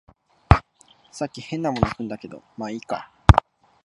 さっき変なもの踏んだけど、まあいいか